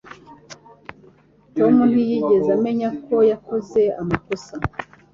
Tom ntiyigeze amenya ko yakoze amakosa.